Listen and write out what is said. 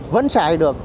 vẫn xài được